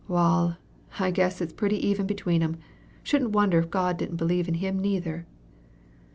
Wal, I guess it's pretty even between 'em. Shouldn't wonder if God didn't believe in him neither."